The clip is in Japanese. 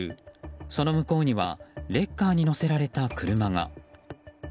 その向こうにはレッカーに載せられた車が。